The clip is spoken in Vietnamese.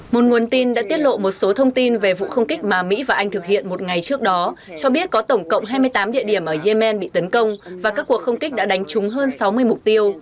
một nguồn tin đã tiết lộ một số thông tin về vụ không kích mà mỹ và anh thực hiện một ngày trước đó cho biết có tổng cộng hai mươi tám địa điểm ở yemen bị tấn công và các cuộc không kích đã đánh trúng hơn sáu mươi mục tiêu